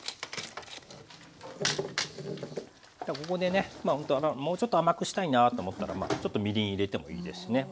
ここでねもうちょっと甘くしたいなと思ったらちょっとみりん入れてもいいですしね。